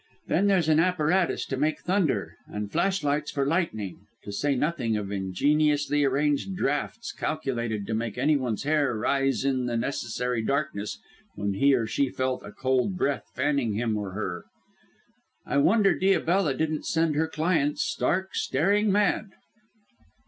Then there's an apparatus to make thunder, and flashlights for lightning, to say nothing of ingeniously arranged draughts calculated to make anyone's hair rise in the necessary darkness when he or she felt a cold breath fanning him or her. I wonder Diabella didn't send her clients stark, staring mad."